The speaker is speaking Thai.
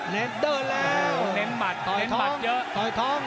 เลยเดินแล้วต่อยท้อง